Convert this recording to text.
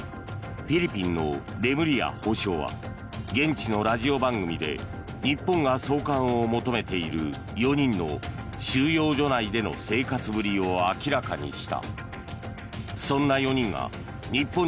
フィリピンのレムリヤ法相は現地のラジオ番組で日本が送還を求めている４人の収容所内での生活ぶりを明らかにした。